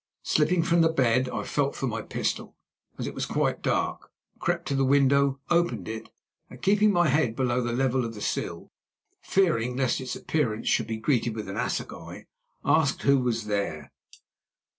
Slipping from the bed, I felt for my pistol, as it was quite dark, crept to the window, opened it, and keeping my head below the level of the sill, fearing lest its appearance should be greeted with an assegai, asked who was there.